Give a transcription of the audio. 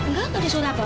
enggak ada suara apa